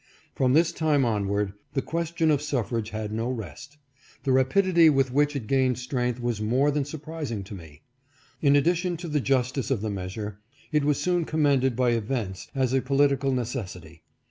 From this time onward the question of suffrage had no rest. The rapidity with which it gained strength was more than surprising to me. In addition to the justice of the measure, it was soon commended by events, as a political necessity.